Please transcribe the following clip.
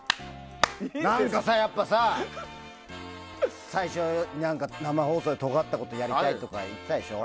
やっぱさ最初、生放送でとがったことやりたいとか言ってたでしょ。